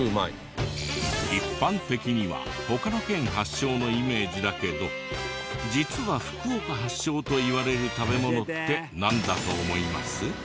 一般的には他の県発祥のイメージだけど実は福岡発祥といわれる食べ物ってなんだと思います？